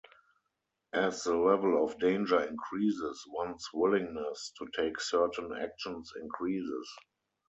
As the level of danger increases, one's willingness to take certain actions increases.